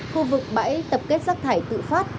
khu vực bảy tập kết rác thải tự phát